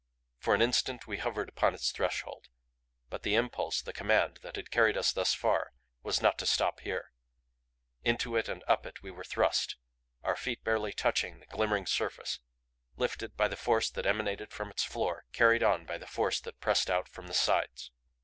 For an instant we hovered upon its threshold. But the impulse, the command, that had carried us thus far was not to stop here. Into it and up it we were thrust, our feet barely touching the glimmering surface; lifted by the force that emanated from its floor, carried on by the force that pressed out from the sides.